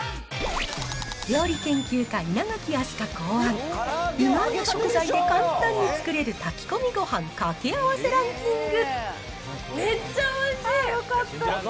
料理研究家、稲垣飛鳥考案、意外な食材で簡単に作れる炊き込みご飯掛け合わせランキング。